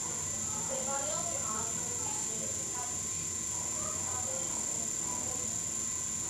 მდებარეობს აიოვის შტატში, კაროლის ოლქში.